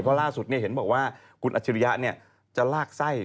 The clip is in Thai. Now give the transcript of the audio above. เพราะล่าสุดเห็นบอกว่าคุณอัจฉริยะจะลากไส้